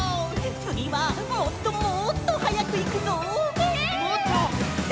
つぎはもっともっとはやくいくぞ！え！？